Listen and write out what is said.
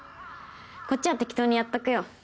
こっちは適当にやっとくよ。